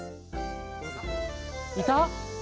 いた！